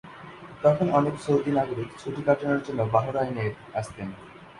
তখন অনেক সৌদি নাগরিক ছুটি কাটানোর জন্য বাহরাইনের আসতেন।